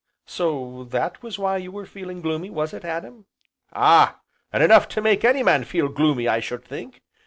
"So that was why you were feeling gloomy, was it, Adam?" "Ah! an' enough to make any man feel gloomy, I should think.